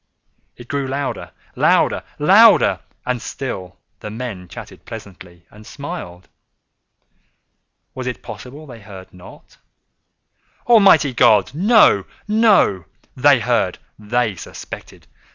It grew louder—louder—louder! And still the men chatted pleasantly, and smiled. Was it possible they heard not? Almighty God!—no, no! They heard!—they suspected!